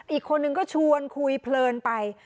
อีกคนนึงก็ชวนคุยเพลินไป